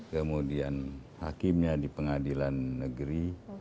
kemudian hakimnya di pengadilan negeri